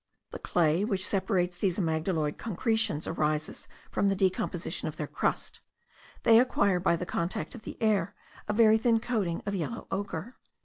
The clay which separates these amygdaloid concretions arises from the decomposition of their crust. They acquire by the contact of the air a very thin coating of yellow ochre.